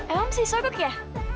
emang sih sokok ya